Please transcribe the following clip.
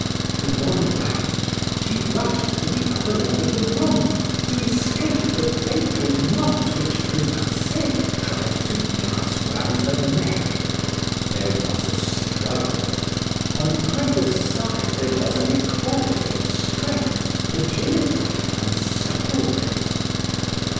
With one bound she rushed to the other end of the room to escape the fatal knot which De Marsay tried to pass round her neck. There was a struggle. On either side there was an equality of strength, agility, and suppleness.